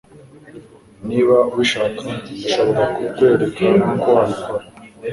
Niba ubishaka, ndashobora kukwereka uko wabikora.